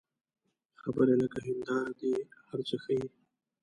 خبرې لکه هنداره دي، هر څه ښيي